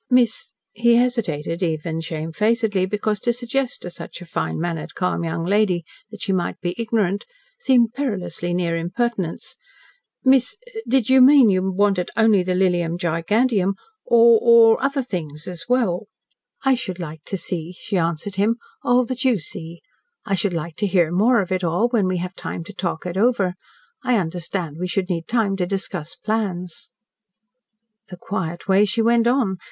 "Miss," he hesitated, even shamefacedly, because to suggest to such a fine mannered, calm young lady that she might be ignorant, seemed perilously near impertinence. "Miss, did you mean you wanted only the Lilium Giganteum, or or other things, as well." "I should like to see," she answered him, "all that you see. I should like to hear more of it all, when we have time to talk it over. I understand we should need time to discuss plans." The quiet way she went on!